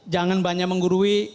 jangan banyak menggurui